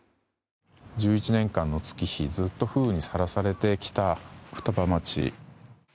１１年間の月日ずっと風雨にさらされてきた双葉町。